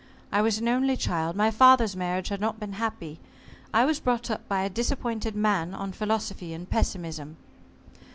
I was an only child. My father's marriage had not been happy. I was brought up by a disappointed man on philosophy and pessimism."